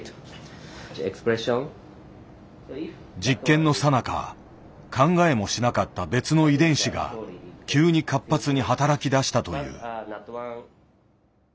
実験のさなか考えもしなかった別の遺伝子が急に活発に働きだしたという。